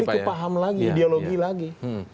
lebih kepaham lagi ideologi lagi